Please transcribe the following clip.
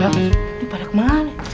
bang ini pada ke mana